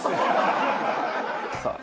さあ